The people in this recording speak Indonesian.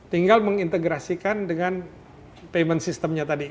tinggal mengintegrasikan dengan payment systemnya tadi